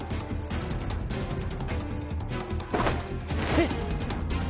えっ。